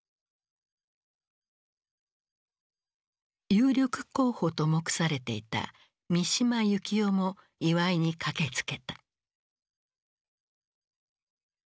有力候補と目されていた三島由紀夫も祝いに駆けつけた。